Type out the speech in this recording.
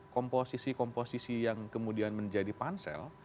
komposisi komposisi yang kemudian menjadi pansel